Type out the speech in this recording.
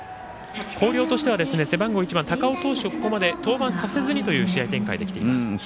広陵としては背番号１番、高尾投手をここまで出場させずにという試合展開できています。